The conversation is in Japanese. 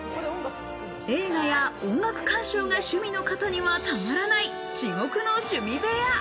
映画や音楽鑑賞が趣味の方にはたまらない、至極の趣味部屋。